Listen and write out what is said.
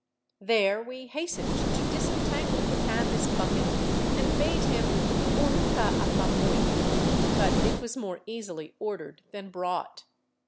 There we hastened to disentangle the canvas bucket and bade him " Unuta apamuy." But it was more easily ordered than brought.